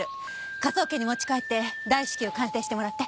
科捜研に持ち帰って大至急鑑定してもらって。